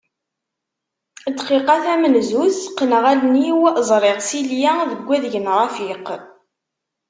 Dqiqa tamenzut qqneɣ allen-iw, ẓriɣ Silya deg wadeg n Rafiq.